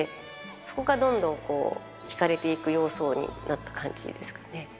そこがどんどん引かれていく要素になった感じですかね。